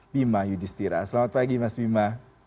bima yudhistira selamat pagi mas bima